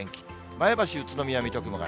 前橋、宇都宮、水戸、熊谷。